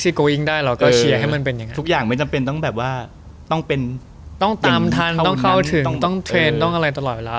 ต้องเข้าถึงต้องเทรนต์ต้องอะไรตลอดเวลา